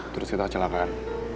terus kita celakaan